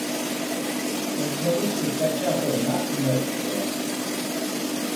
Urdzenişi ç̌aç̌ape nak mepxva?